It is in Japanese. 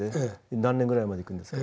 何年ぐらいまでいくんですか？